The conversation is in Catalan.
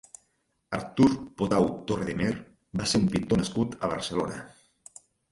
Artur Potau Torredemer va ser un pintor nascut a Barcelona.